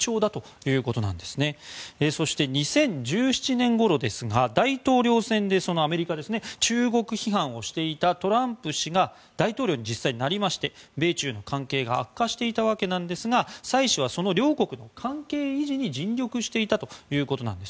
そして、２０１７年ごろですがアメリカの大統領選で中国批判をしていたトランプ氏が大統領に実際になりまして米中の関係が悪化していたわけなんですがサイ氏はその両国の関係維持に尽力していたということです。